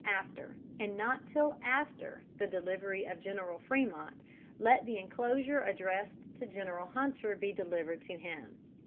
After, and not till after, the delivery to General Frémont, let the inclosure addressed to General Hunter be delivered to him."